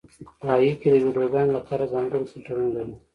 لایکي د ویډیوګانو لپاره ځانګړي فېلټرونه لري.